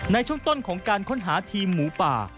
ในช่วงต้นของการค้นหาทีมหมูป่า